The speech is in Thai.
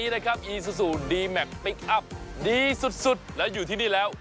ดีสุดแล้วอยู่ที่นี่แล้ว